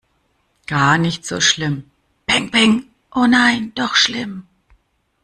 Gar nicht so schlimm. Pengpeng. Oh nein, doch schlimm!